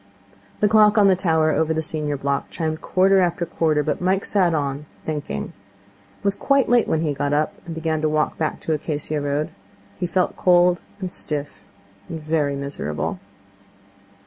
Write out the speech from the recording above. The clock on the tower over the senior block chimed quarter after quarter, but Mike sat on, thinking. It was quite late when he got up, and began to walk back to Acacia Road. He felt cold and stiff and very miserable.